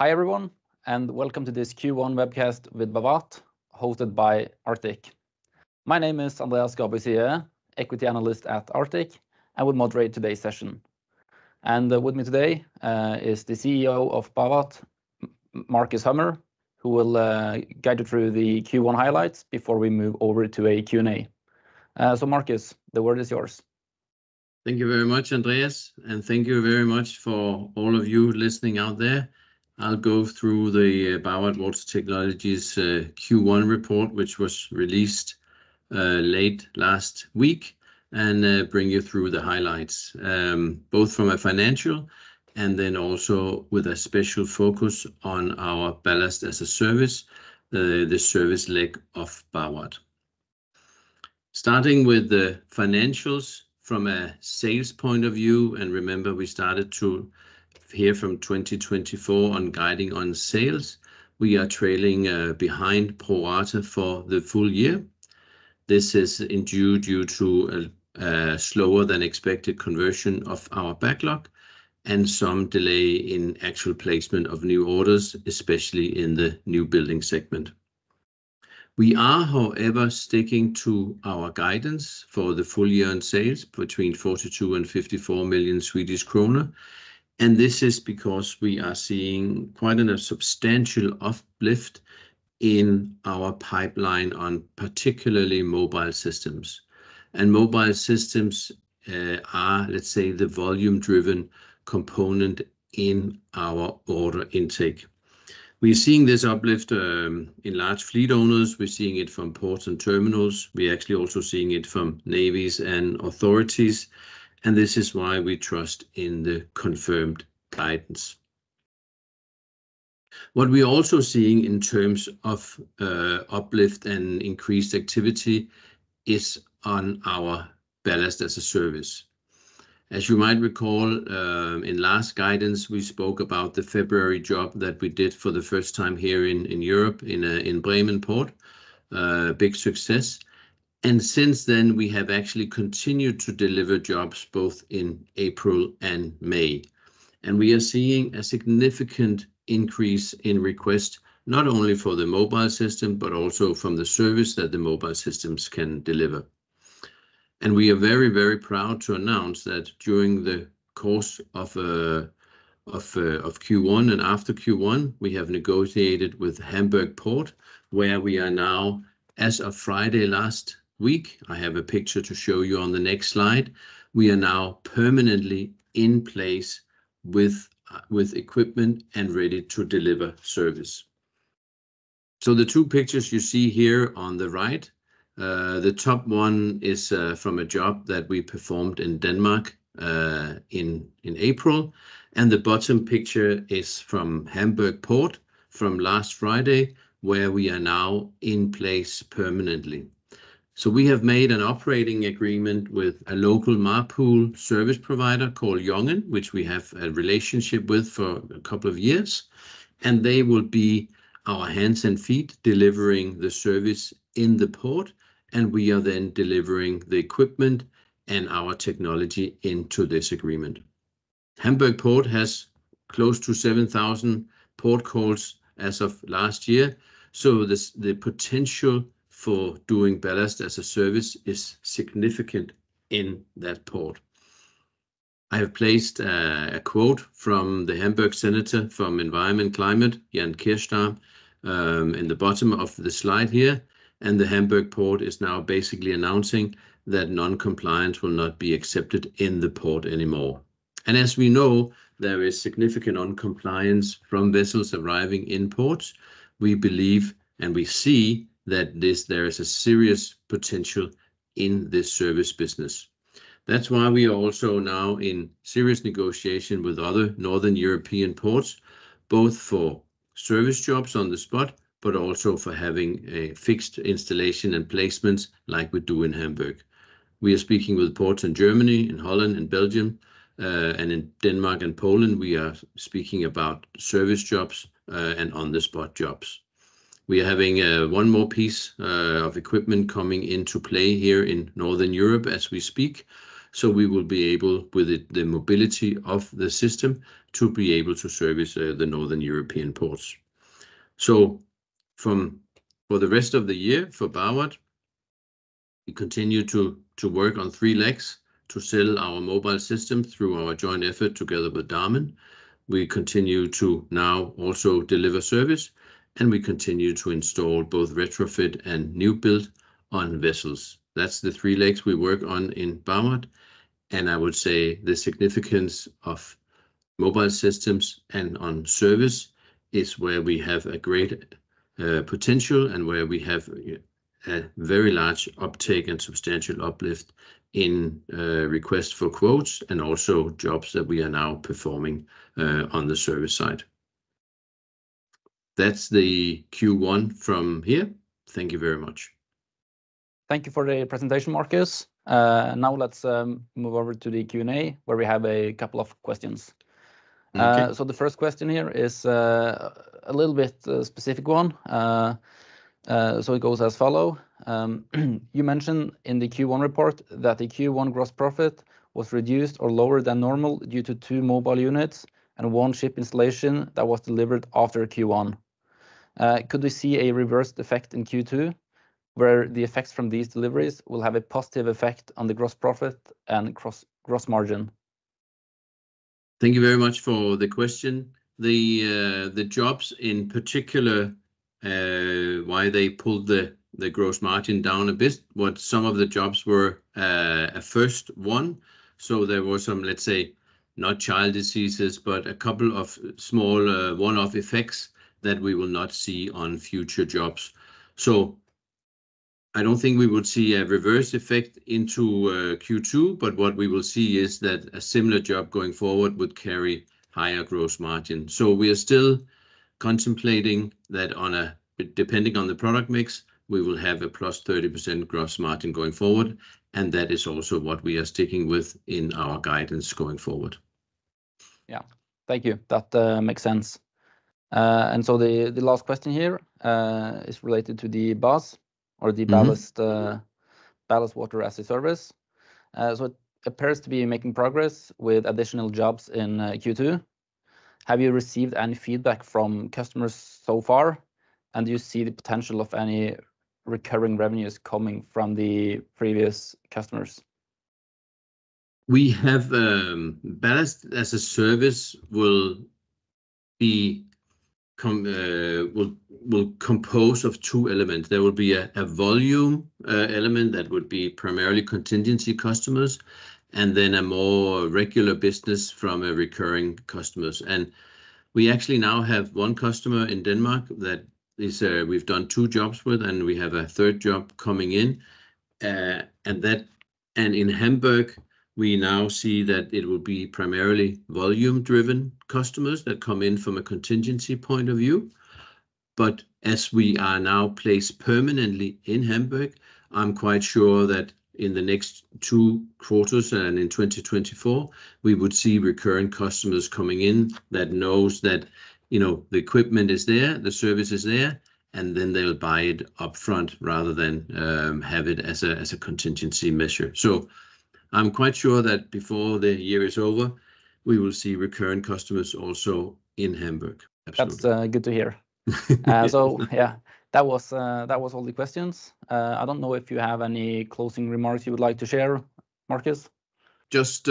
Hi, everyone, and welcome to this Q1 webcast with Bawat, hosted by Arctic. My name is Andreas Gabussi, equity analyst at Arctic. I will moderate today's session. With me today is the CEO of Bawat, Marcus Hummer, who will guide you through the Q1 highlights before we move over to a Q&A. Marcus, the word is yours. Thank you very much, Andreas, and thank you very much for all of you listening out there. I'll go through the Bawat Water Technologies Q1 report, which was released late last week, and bring you through the highlights, both from a financial and then also with a special focus on our Ballast as a Service, the service leg of Bawat. Starting with the financials from a sales point of view, and remember, we started to hear from 2024 on guiding on sales. We are trailing behind pro rata for the full year. This is in due to a slower than expected conversion of our backlog and some delay in actual placement of new orders, especially in the new building segment. We are, however, sticking to our guidance for the full year on sales between 42 million and 54 million Swedish kronor, and this is because we are seeing quite a substantial uplift in our pipeline on particularly mobile systems. Mobile systems are, let's say, the volume-driven component in our order intake. We're seeing this uplift in large fleet owners. We're seeing it from ports and terminals. We're actually also seeing it from navies and authorities, and this is why we trust in the confirmed guidance. What we are also seeing in terms of uplift and increased activity is on our Ballast as a Service. As you might recall, in last guidance, we spoke about the February job that we did for the first time here in Europe, in Bremen Port, big success. And since then, we have actually continued to deliver jobs both in April and May. And we are seeing a significant increase in request, not only for the mobile system, but also from the service that the mobile systems can deliver. And we are very, very proud to announce that during the course of Q1 and after Q1, we have negotiated with Hamburg Port, where we are now, as of Friday last week. I have a picture to show you on the next slide. We are now permanently in place with equipment and ready to deliver service. So the two pictures you see here on the right, the top one is from a job that we performed in Denmark in April, and the bottom picture is from Hamburg Port from last Friday, where we are now in place permanently. So we have made an operating agreement with a local MARPOL service provider called Jongen, which we have a relationship with for a couple of years, and they will be our hands and feet, delivering the service in the port, and we are then delivering the equipment and our technology into this agreement. Hamburg Port has close to 7,000 port calls as of last year, so this, the potential for doing Ballast as a Service is significant in that port. I have placed a quote from the Hamburg Senator for Environment, Climate, Jens Kerstan in the bottom of the slide here, and the Hamburg Port is now basically announcing that non-compliance will not be accepted in the port anymore. And as we know, there is significant non-compliance from vessels arriving in ports. We believe, and we see, that there is a serious potential in this service business. That's why we are also now in serious negotiation with other Northern European ports, both for service jobs on the spot, but also for having a fixed installation and placements like we do in Hamburg. We are speaking with ports in Germany, in Holland, in Belgium, and in Denmark and Poland. We are speaking about service jobs and on-the-spot jobs. We are having one more piece of equipment coming into play here in Northern Europe as we speak, so we will be able, with the mobility of the system, to be able to service the Northern European ports. So for the rest of the year, for Bawat, we continue to work on three legs to sell our mobile system through our joint effort together with Damen. We continue to now also deliver service, and we continue to install both retrofit and new build on vessels. That's the three legs we work on in Bawat, and I would say the significance of mobile systems and on service is where we have a great potential and where we have a very large uptake and substantial uplift in requests for quotes, and also jobs that we are now performing on the service side. That's the Q1 from here. Thank you very much. Thank you for the presentation, Marcus. Now let's move over to the Q&A, where we have a couple of questions. Okay. So the first question here is a little bit specific one. So it goes as follows: you mentioned in the Q1 report that the Q1 gross profit was reduced or lower than normal due to two mobile units and one ship installation that was delivered after Q1. Could we see a reversed effect in Q2, where the effects from these deliveries will have a positive effect on the gross profit and gross margin? Thank you very much for the question. The jobs in particular, why they pulled the gross margin down a bit, what some of the jobs were, a first one, so there were some, let's say, not child diseases, but a couple of small, one-off effects that we will not see on future jobs. So I don't think we would see a reverse effect into Q2, but what we will see is that a similar job going forward would carry higher gross margin. So we are still contemplating that on a—depending on the product mix, we will have a plus 30% gross margin going forward, and that is also what we are sticking with in our guidance going forward. Yeah. Thank you. That makes sense. And so the last question here is related to the BAS- Mm-hmm... or the ballast water as a service. So it appears to be making progress with additional jobs in Q2. Have you received any feedback from customers so far? And do you see the potential of any recurring revenues coming from the previous customers? We have Ballast as a service will compose of two elements. There will be a volume element that would be primarily contingency customers, and then a more regular business from a recurring customers. We actually now have one customer in Denmark that is, we've done two jobs with, and we have a third job coming in. In Hamburg, we now see that it will be primarily volume-driven customers that come in from a contingency point of view. But as we are now placed permanently in Hamburg, I'm quite sure that in the next two quarters and in 2024, we would see recurring customers coming in that knows that, you know, the equipment is there, the service is there, and then they will buy it upfront rather than have it as a contingency measure. So I'm quite sure that before the year is over, we will see recurring customers also in Hamburg. Absolutely. That's good to hear. So, yeah, that was all the questions. I don't know if you have any closing remarks you would like to share, Marcus. Just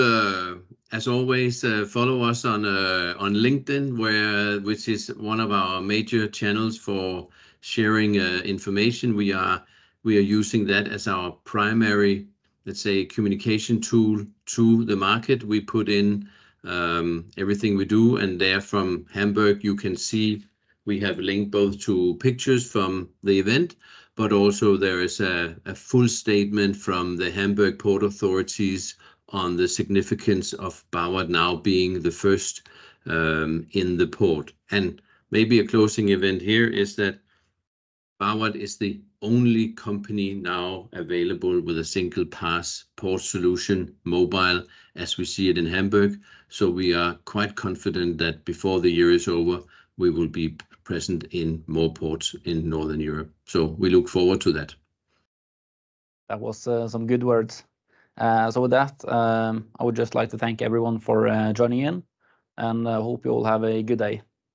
as always, follow us on LinkedIn, where, which is one of our major channels for sharing information. We are using that as our primary, let's say, communication tool to the market. We put in everything we do, and there from Hamburg. You can see we have linked both to pictures from the event, but also there is a full statement from the Hamburg Port authorities on the significance of Bawat now being the first in the port. And maybe a closing event here is that Bawat is the only company now available with a single pass port solution, mobile, as we see it in Hamburg. So we are quite confident that before the year is over, we will be present in more ports in Northern Europe. So we look forward to that. That was some good words. With that, I would just like to thank everyone for joining in, and I hope you all have a good day.